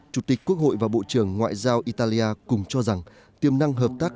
chủ tịch quốc hội và bộ trưởng ngoại giao italia cùng cho rằng tiềm năng hợp tác